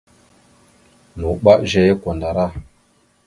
Nuɓa zeya kwandara.